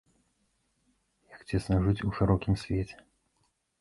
Як цесна жыць у шырокім свеце!